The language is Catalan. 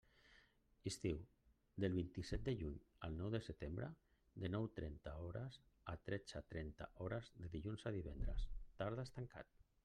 Estiu: del vint-i-set de juny al nou de setembre, de nou trenta hores a tretze trenta hores de dilluns a divendres, tardes tancat.